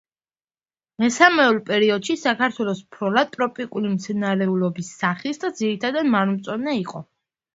მესამეულ პერიოდში საქართველოს ფლორა ტროპიკული მცენარეულობის სახის და ძირითადად მარადმწვანე იყო.